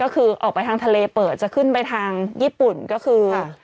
ก็คือออกไปทางทะเลเปิดจะขึ้นไปทางญี่ปุ่นก็คือ